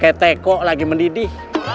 keteko lagi mendidih